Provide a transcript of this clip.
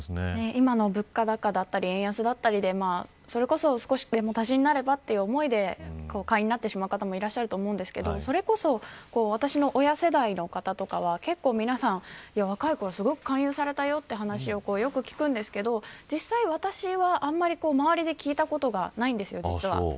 今の物価高だったり円安だったりでそれこそ少しでも足しになればという思いで会員になってしまう方もいると思いますがそれこそ、私の親世代の方とかは結構、皆さん若いころ勧誘されたよという話を聞きますが実際、私は周りで聞いたことがないんですよ。